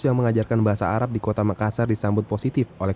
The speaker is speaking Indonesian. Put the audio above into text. yang mengajarkan bahasa arab di kota makassar disambut positif oleh